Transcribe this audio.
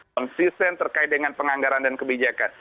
konsisten terkait dengan penganggaran dan kebijakan